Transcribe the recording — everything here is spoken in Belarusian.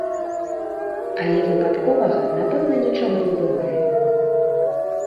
Але выпадковага, напэўна, нічога не бывае.